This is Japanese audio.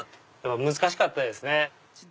難しかったですね。